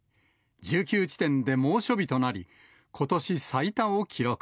１９地点で猛暑日となり、ことし最多を記録。